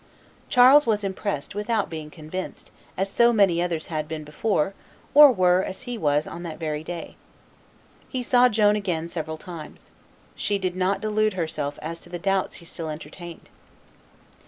Charles was impressed without being convinced, as so many others had been before, or were, as he was, on that very day. He saw Joan again several times. She did not delude herself as to the doubts he still entertained.